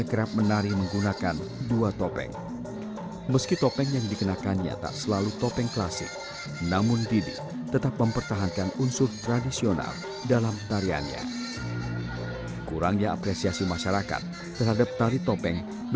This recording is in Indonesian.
kalau yang saya amati adalah wayang topeng